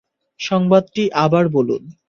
সংবাদটি আবার বলুন।